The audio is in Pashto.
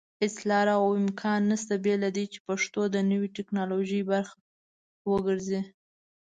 هيڅ لاره او امکان نشته بېله دې چې پښتو د نوي ټيکنالوژي پرخه وګرځي